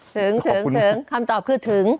ถึงถึงคำตอบคือถึง